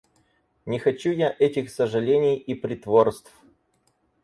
Не хочу я этих сожалений и притворств!